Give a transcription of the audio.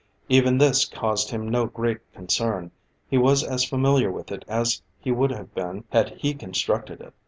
Even this caused him no great concern; he was as familiar with it as he would have been had he constructed it.